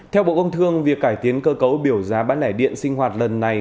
theo bộ công thương việc cải tiến cơ cấu biểu giá bán lẻ điện sinh hoạt lần này